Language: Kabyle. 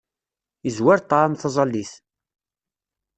Izwar ṭṭɛam taẓallit.